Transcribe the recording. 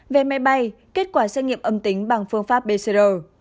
về máy bay kết quả xét nghiệm âm tính bằng phương pháp pcr